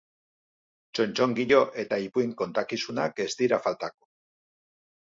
Txontxongilo eta ipuin kontakizunak ez dira faltako.